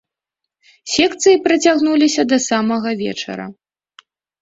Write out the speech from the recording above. Секцыі працягнуліся да самага вечара.